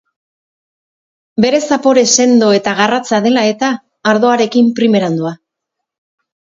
Bere zapore sendo eta garratza dela eta, ardoarekin primeran doa.